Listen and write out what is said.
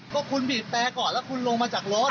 ก็คุณบีบแต่ก่อนแล้วคุณลงมาจากรถ